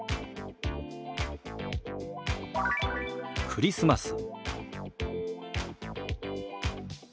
「クリスマス」。